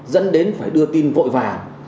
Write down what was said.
dẫn đến phải đưa tin vội vàng